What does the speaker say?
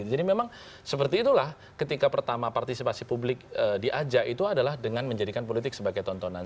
jadi memang seperti itulah ketika pertama partisipasi publik diajak itu adalah dengan menjadikan politik sebagai tontonan